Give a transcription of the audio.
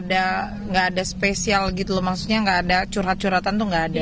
teman satu tongkrongan aja jadi enggak ada spesial gitu loh maksudnya enggak ada curhat curhatan tuh enggak ada